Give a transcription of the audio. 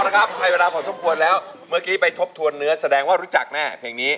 เอ้านะครับไฟเวลาของทุกคนแล้วเมื่อกี้ไปทบตวนเนื้อแสดงว่ารู้จักนะฮะเพลงนี้